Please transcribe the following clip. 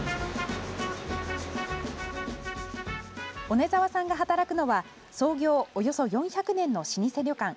小根澤さんが働くのは、創業およそ４００年の老舗旅館。